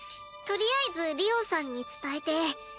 とりあえずりおさんに伝えて。